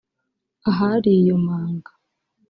ahari iyo manga